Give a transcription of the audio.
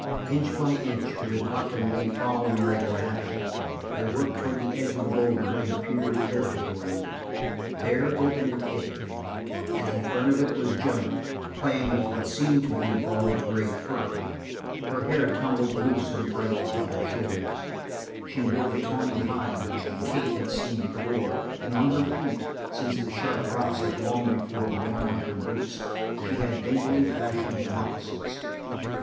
Inch by inch, with Buck and Lee following her example, they worked toward the edge of the boulder and peered carefully around it. There opened the cave, and in front of it was Joan playing with what seemed to be a ball of gray fur. Her hair tumbled loose and bright about her shoulders; she wore the tawny hide which Kate had seen before, and on her feet, since the sharp rocks had long before worn out her boots, she had daintily fashioned moccasins.